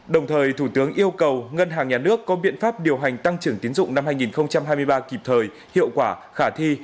đồng thời thủ tướng yêu cầu ngân hàng nhà nước có biện pháp điều hành tăng trưởng tiến dụng năm hai nghìn hai mươi ba kịp thời hiệu quả khả thi